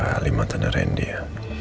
banyak sekali mantannya randy ya